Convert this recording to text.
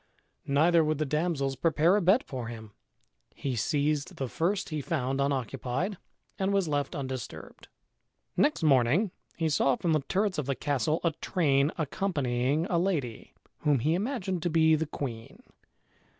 Neither would the damsels prepare a bed for him. He seized the first he found unoccupied and was left undisturbed. Next morning he saw from the turrets of the castle a train accompanying a lady, whom he imagined to be the queen.